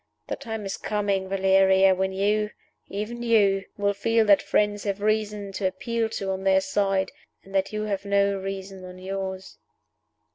The time is coming, Valeria, when you even You will feel that your friends have reason to appeal to on their side, and that you have no reason on yours."